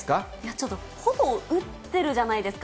ちょっとほぼ打ってるじゃないですか。